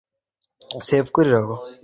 আমি চেঁচিয়ে বললাম, তালাবন্ধ করে রেখেছ কেন মা?